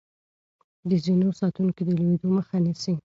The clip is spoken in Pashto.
د زينو ساتونکي د لوېدو مخه نيسي.